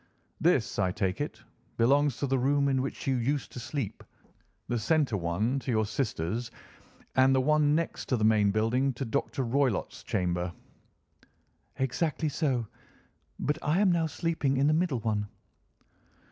"This, I take it, belongs to the room in which you used to sleep, the centre one to your sister's, and the one next to the main building to Dr. Roylott's chamber?" "Exactly so. But I am now sleeping in the middle one."